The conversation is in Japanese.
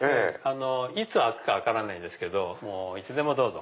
いつ開くか分からないですけどいつでもどうぞ。